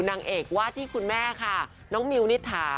นางเอกวาดที่คุณแม่ค่ะน้องมิวนิษฐา